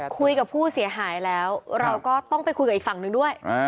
คุยกับผู้เสียหายแล้วเราก็ต้องไปคุยกับอีกฝั่งหนึ่งด้วย